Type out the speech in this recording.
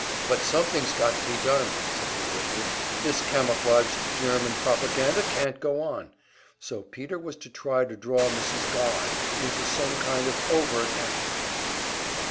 "But something's got to be done," said McGivney. "This camouflaged German propaganda can't go on." So Peter was to try to draw Mrs. Godd into some kind of "overt action."